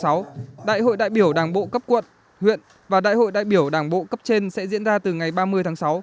thành đại hội đại biểu đảng bộ cấp quận huyện và đại hội đại biểu đảng bộ cấp trên sẽ diễn ra từ ngày ba mươi tháng sáu